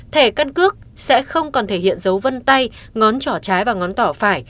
thẻ căn cước sẽ không còn thể hiện dấu vân tay ngón trò trái và ngón tỏ phải